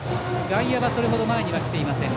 外野はそれほど前に出ていません。